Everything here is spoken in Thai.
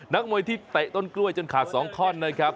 นักมวยที่เตะต้นกล้วยจนขาด๒ท่อนนะครับ